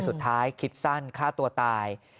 สุดท้ายคิดสั้นฆ่าตัวตาย